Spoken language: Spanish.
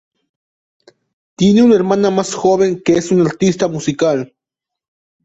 Tiene una hermana más joven que es una artista musical.